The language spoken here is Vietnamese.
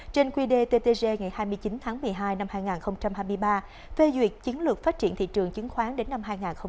một bảy trăm hai mươi sáu trên quy đề ttg ngày hai mươi chín tháng một mươi hai năm hai nghìn hai mươi ba phê duyệt chiến lược phát triển thị trường chứng khoán đến năm hai nghìn ba mươi